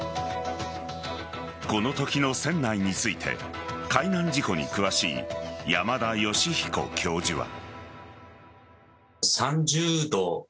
このときの船内について海難事故に詳しい山田吉彦教授は。